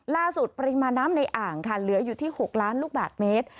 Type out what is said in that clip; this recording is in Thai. ปริมาณน้ำในอ่างค่ะเหลืออยู่ที่๖ล้านลูกบาทเมตร